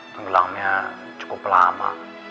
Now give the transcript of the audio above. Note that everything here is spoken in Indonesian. tenggelamnya cukup lama